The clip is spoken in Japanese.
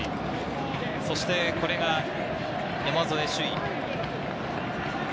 そしてこれが山副朱生。